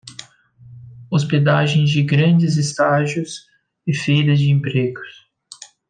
Hospedagem de grandes estágios e feiras de emprego